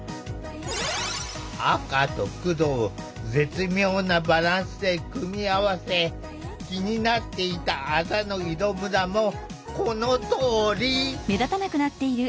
赤と黒を絶妙なバランスで組み合わせ気になっていたあざの色むらもこのとおり！